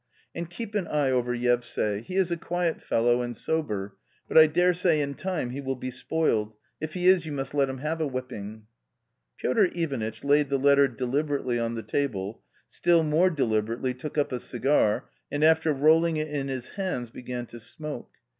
And keep an eye over Yevsay : he is a quiet fellow and sober, but I daresay in time he will be spoiled, if he is you must let him have a whipping." Piotr Ivanitch laid the letter deliberately on the table, still more deliberately took up a cigar, and after rolling it in his hands, began to smoke.